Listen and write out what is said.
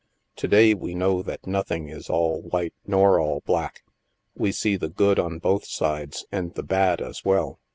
To day, we know that* nothing is all white nor all black; we see the good on both sides, and the bad as well.